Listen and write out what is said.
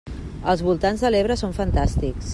Els voltants de l'Ebre són fantàstics!